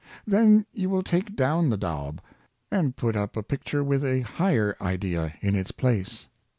Then you will take down the daub, and put up a picture with a higher idea in its place.